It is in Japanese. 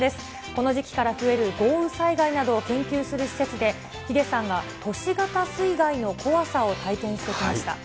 この時期から増える豪雨災害などを研究する施設で、ヒデさんが都市型水害の怖さを体験してきました。